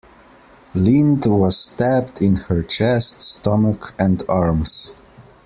Lindh was stabbed in her chest, stomach and arms.